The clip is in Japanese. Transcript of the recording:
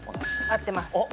合ってます。